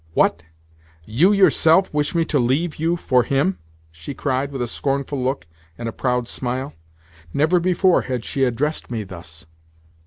"What? you yourself wish me to leave you for him?" she cried with a scornful look and a proud smile. Never before had she addressed me thus.